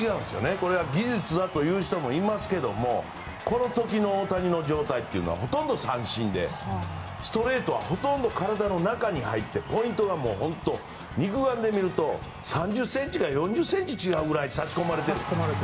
これが技術だという人もいますけどこの時の大谷の状態というのはほとんど三振でストレートはほとんど体の中に入ってポイントが肉眼で見ると３０ｃｍから４０ｃｍ違うくらい差し込まれてる。